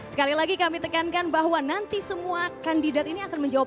sekali lagi kami tekankan bahwa nanti semua kandidat ini akan menjawab